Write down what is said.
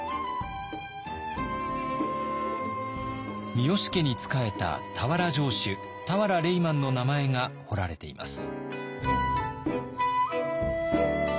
三好家に仕えた田原城主田原レイマンの名前が彫られています。